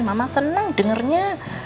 mama senang dengernya